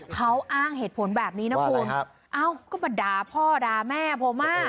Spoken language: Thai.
เขาอ้างเหตุผลแบบนี้นะคุณเอ้าก็มาด่าพ่อด่าแม่ผมอ่ะ